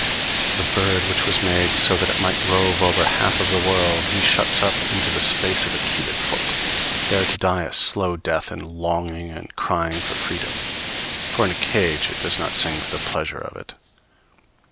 The bird which was made so that it might rove over half of the world, he shuts up into the space of a cubic foot, there to die a slow death in longing and crying for freedom; for in a cage it does not sing for the pleasure of it.